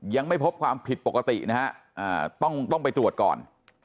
ยังไม่พบความผิดปกตินะฮะต้องไปตรวจก่อน